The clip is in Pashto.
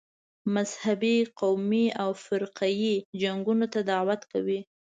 مذهبي، قومي او فرقه یي جنګونو ته دعوت کوي.